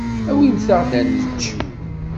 Awimt-aɣ-d ad nečč.